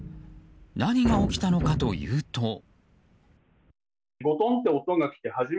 何が起きたのかというと。